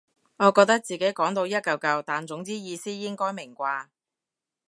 我覺得自己講到一嚿嚿但總之意思應該明啩